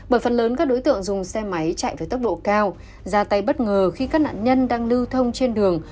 bởi phần lớn các đối tượng dùng xe máy chạy với tốc độ cao ra tay bất ngờ khi các nạn nhân đang lưu thông trên đường